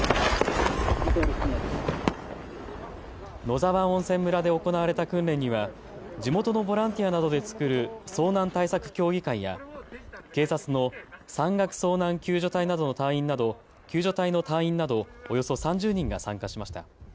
野沢温泉村で行われた訓練には地元のボランティアなどで作る遭難対策協議会や警察の山岳遭難救助隊の隊員などおよそ３０人が参加しました。